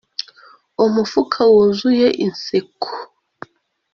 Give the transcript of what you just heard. umufuka wuzuye inseko